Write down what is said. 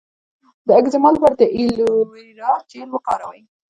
د اکزیما لپاره د ایلوویرا جیل وکاروئ